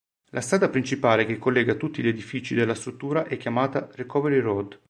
La strada principale che collega tutti gli edifici della struttura è chiamata "Recovery Road".